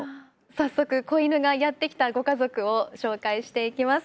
早速子犬がやって来たご家族を紹介していきます。